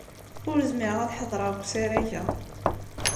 Ur zmireɣ ad ḥedṛeɣ deg usarag-a.